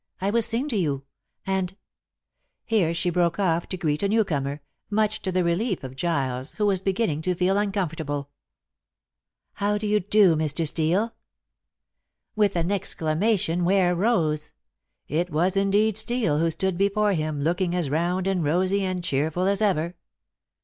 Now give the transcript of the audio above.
I will sing to you, and " Here she broke off to greet a new comer, much to the relief of Giles, who was beginning to feel uncomfortable. "How do you do, Mr. Steel?" With an exclamation Ware rose. It was indeed Steel who stood before him looking as round and rosy and cheerful as ever.